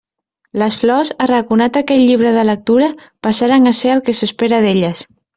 Les flors, arraconat aquell llibre de lectura, passaren a ser el que s'espera d'elles.